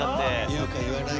言うか言わないかね。